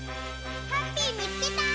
ハッピーみつけた！